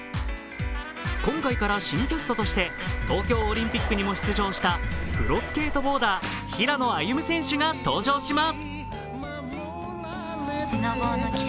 今回から新キャストとして東京オリンピックにも出場したプロスケートボーダー平野歩夢選手が登場します。